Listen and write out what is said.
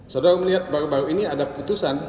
saudara melihat baru baru ini ada keputusan